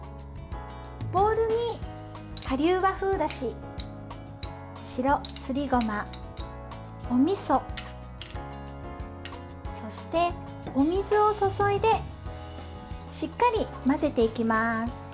ボウルに顆粒和風だし白すりごま、おみそそしてお水を注いでしっかり混ぜていきます。